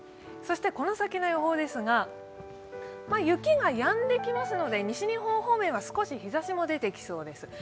この先の予報ですが、雪がやんできますので西日本方面、日ざしが出てきそうです。